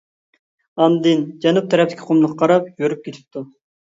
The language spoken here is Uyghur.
ئاندىن جەنۇب تەرەپتىكى قۇملۇققا قاراپ يۈرۈپ كېتىپتۇ.